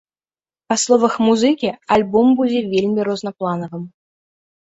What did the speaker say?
Па словах музыкі, альбом будзе вельмі рознапланавым.